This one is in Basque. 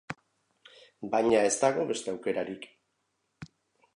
Baina ez dago beste aukerarik.